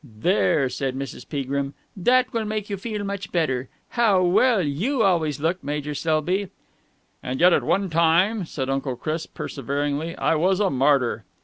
"There!" said Mrs. Peagrim. "That will make you feel much better. How well you always look, Major Selby!" "And yet at one time," said Uncle Chris perseveringly, "I was a martyr...."